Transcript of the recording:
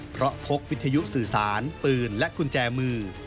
เพราะพกวิทยุสื่อสารปืนและกุญแจมือ